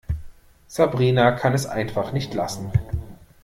Sabrina kann es einfach nicht lassen.